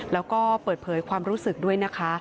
แล้วก็เปิดเผยความรู้สึกด้วยนะคะ